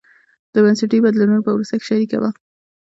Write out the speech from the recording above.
د بنسټي بدلونونو په پروسه کې شریکه وه.